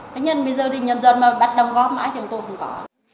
thế nhưng bây giờ thì nhân dân mà bắt đồng góp mãi chẳng tôi cũng có